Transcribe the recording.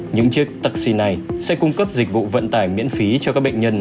những chiếc taxi này sẽ cung cấp dịch vụ vận tải miễn phí cho các bệnh nhân